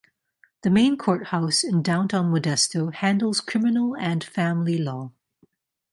The main courthouse in downtown Modesto handles criminal and family law.